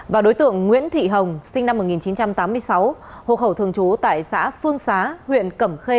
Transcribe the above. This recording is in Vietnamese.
và đối tượng nguyễn thị hồng sinh năm một nghìn chín trăm tám mươi sáu hộ khẩu thường trú tại xã phương xá huyện cẩm khê